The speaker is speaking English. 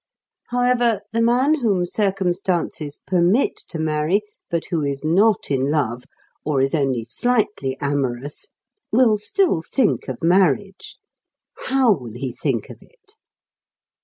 However, the man whom circumstances permit to marry but who is not in love, or is only slightly amorous, will still think of marriage. How will he think of it?